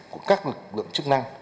của các lực lượng chức năng